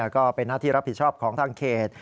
ก็เป็นหน้าที่รับผิดชอบของทางเขต